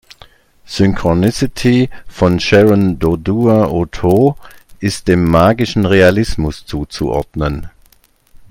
"Synchronicity" von Sharon Dodua Otoo ist dem magischen Realismus zuzuordnen.